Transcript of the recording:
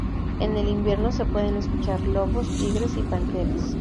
En el invierno se pueden escuchar lobos, tigres y panteras.